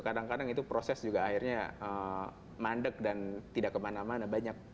kadang kadang itu proses juga akhirnya mandek dan tidak kemana mana